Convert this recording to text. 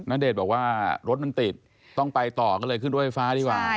ณเดชน์บอกว่ารถมันติดต้องไปต่อก็เลยขึ้นรถไฟฟ้าดีกว่า